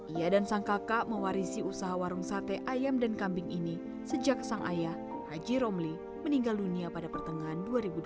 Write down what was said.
ia dan sang kakak mewarisi usaha warung sate ayam dan kambing ini sejak sang ayah haji romli meninggal dunia pada pertengahan dua ribu dua puluh